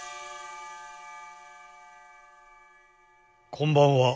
こんばんは。